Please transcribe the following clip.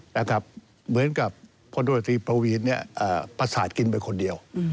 เหมือนกับพลตรวจตรีปวีนประสาทกินไปคนเดียว